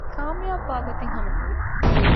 ކާމިޔާބުވާގޮތެއް ހަމަ ނުވި